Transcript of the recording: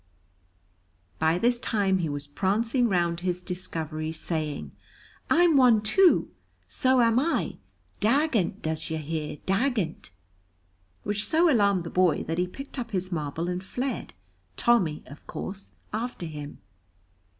By this time he was prancing round his discovery, saying, "I'm one, too so am I dagont, does yer hear? dagont!" which so alarmed the boy that he picked up his marble and fled, Tommy, of course, after him.